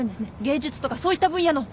芸術とかそういった分野の。